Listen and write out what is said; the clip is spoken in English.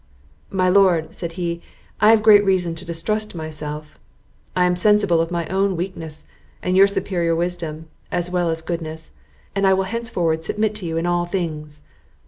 "My Lord," said he, "I have great reason to distrust myself; I am sensible of my own weakness, and your superior wisdom, as well as goodness; and I will henceforward submit to you in all things."